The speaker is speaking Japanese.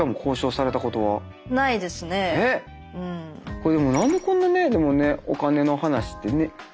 これでも何でこんなねでもねお金の話ってね。